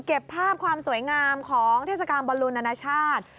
เก็บภาพความสวยงามของเทศกาลบอลลูนานาชาติ